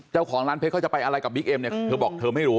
เจ้าของร้านเพชรเขาจะไปอะไรกับบิ๊กเอ็มเนี่ยเธอบอกเธอไม่รู้